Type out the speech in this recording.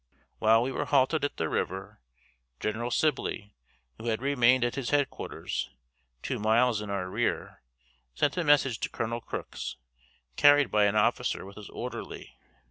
While we were halted at the river, Gen. Sibley, who had remained at his headquarters, two miles in our rear, sent a message to Col. Crooks, carried by an officer with his orderly.